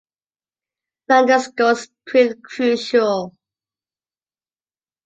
London's goals proved crucial.